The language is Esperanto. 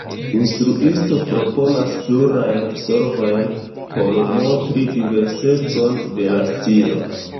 Instruisto proponas plurajn solvojn por montri diversecon de la stilo.